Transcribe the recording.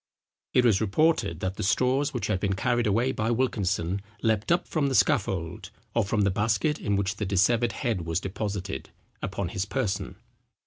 It was reported, that the straws which had been carried away by Wilkinson leaped up from the scaffold, or from the basket in which the dissevered head was deposited, upon his person.